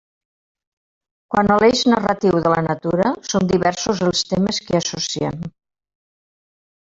Quant a l'eix narratiu de la natura, són diversos els temes que hi associem.